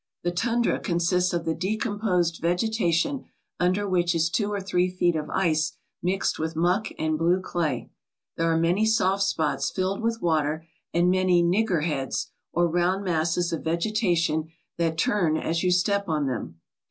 The tundra consists of the de composed vegetation under which is two or three feet of ice mixed with muck and blue clay. There are many soft spots filled with water, and many "niggerheads," or round masses of vegetation that turn as you step on them.